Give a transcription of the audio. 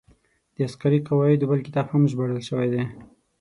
د عسکري قواعدو بل کتاب هم ژباړل شوی دی.